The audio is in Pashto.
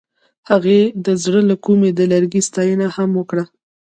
هغې د زړه له کومې د لرګی ستاینه هم وکړه.